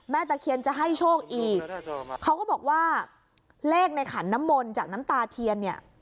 ตะเคียนจะให้โชคอีกเขาก็บอกว่าเลขในขันน้ำมนต์จากน้ำตาเทียนเนี่ย